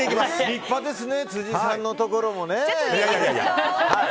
立派ですね辻さんのところもね。